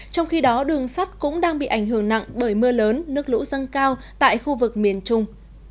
trong khi đó đường sắt cũng đang bị ảnh hưởng nặng bởi mưa lớn nước lũ dâng cao tại khu vực miền trung